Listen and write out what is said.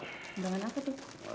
undangan apa tuh